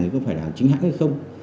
nó có phải là hàng chính hãng hay không